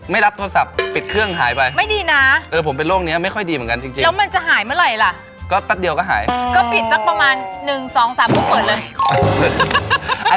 ไม่รับโทรศัพท์ปิดเครื่องหายไปไม่ดีนะเออผมเป็นโรคนี้ไม่ค่อยดีเหมือนกันจริงแล้วมันจะหายเมื่อไหร่ล่ะก็แป๊บเดียวก็หายก็ปิดสักประมาณ๑๒๓ปุ๊บเปิดเลย